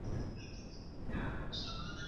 ایا تاسو بنسټیزه څېړنه پیژنئ؟